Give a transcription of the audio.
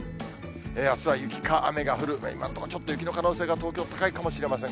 あすは雪か雨が降る、今のところちょっと雪の可能性が、東京、高いかもしれません。